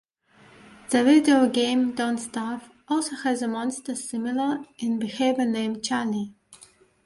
The video game "Don't Starve" also has a monster similar in behavior named Charlie.